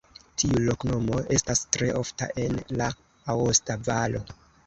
Tiu loknomo estas tre ofta en la Aosta Valo.